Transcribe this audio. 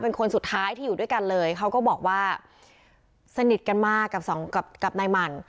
เป็นคนสุดท้ายที่อยู่ด้วยกันเลยเขาก็บอกว่าสนิทกันมากกับสองกับนายหมั่น